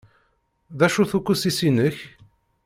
D acu-t uqusis-inek?